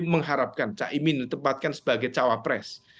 mengharapkan cak imin ditempatkan sebagai cawapres